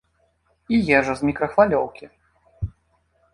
І ежа з мікрахвалёўкі.